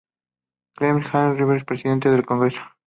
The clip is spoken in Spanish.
Clemente J. Revilla, Presidente del Congreso.